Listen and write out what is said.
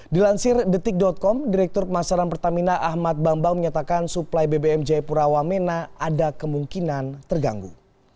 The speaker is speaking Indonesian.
dilansir detik com direktur pemasaran pertamina ahmad bambang menyatakan suplai bbm jayapura wamena ada kemungkinan terganggu